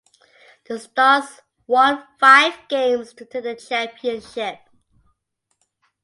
The Stars won five games to take the championship.